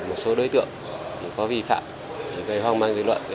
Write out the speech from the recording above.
một số đối tượng có vi phạm gây hoang mang dư luận